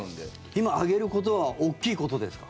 今、上げることは大きいことですか？